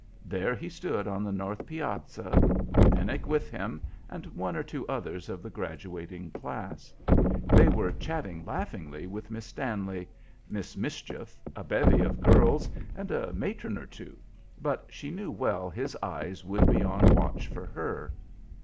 There he stood on the north piazza, Pennock with him, and one or two others of the graduating class. They were chatting laughingly with Miss Stanley, "Miss Mischief," a bevy of girls, and a matron or two, but she knew well his eyes would be on watch for her.